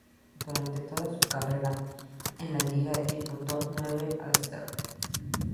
Durante toda su carrera en la liga, disputó nueve All-Stars.